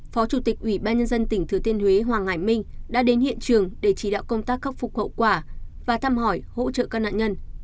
phó chủ tịch ủy ban nhân dân tỉnh thừa tiên huế hoàng hải minh đã đến hiện trường để chỉ đạo công tác khắc phục hậu quả và thăm hỏi hỗ trợ các nạn nhân